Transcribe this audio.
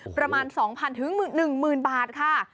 ประมาณ๒๐๐๐๑๐๐บาทค่ะ